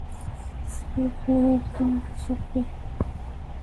Six pack নেই, একটু মোটা, চলবে?